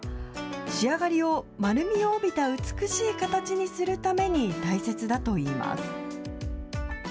仕上がりを丸みを帯びた美しい形にするために、大切だといいます。